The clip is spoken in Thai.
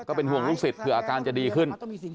ก็เป็นห่วงลูกศิษย์เผื่ออาการจะดีขึ้น